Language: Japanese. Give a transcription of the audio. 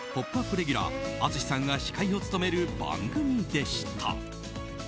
レギュラー淳さんが司会を務める番組でした。